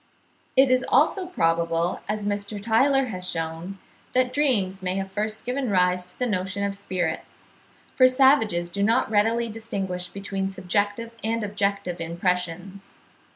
It is also probable, as Mr. Tylor has shewn, that dreams may have first given rise to the notion of spirits; for savages do not readily distinguish between subjective and objective impressions.